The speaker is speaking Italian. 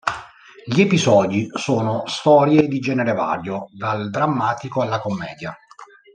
Gli episodi sono storie di genere vario, dal drammatico alla commedia.